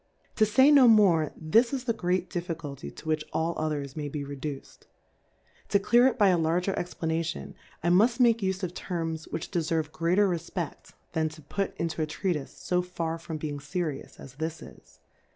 To fay no more^ this is the great Difficulty to which all others may he reduced : To clear it by a larger ExvlapMion^ Imuft make ufe of Terms which deferve greater Refpecfy than to fut into a Treatife^ fo far from leing ferious as this is.